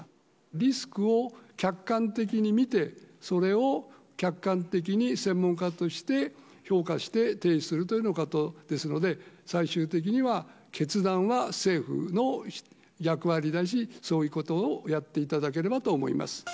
リスクを客観的に見て、それを客観的に専門家として評価して、提出するということですので、最終的には決断は政府の役割だし、そういうことをやっていただければと思います。